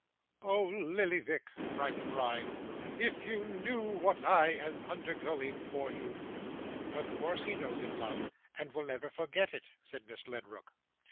'Oh Lillyvick!' cried the bride. 'If you knew what I am undergoing for you!' 'Of course he knows it, love, and will never forget it,' said Miss Ledrook.